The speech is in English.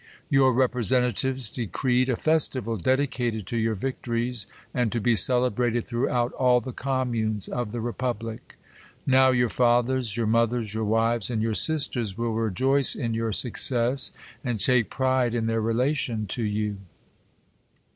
Your representatives decreed a festival dedicated to your victories^ and to be celebrated throughout all the com munes of the republic. Now your fathers, your moth ers, your wives, and your sisters, will rejoice in your success, and take pride in their relation to you.